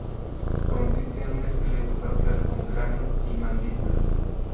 Consiste en un esqueleto parcial con cráneo y mandíbulas.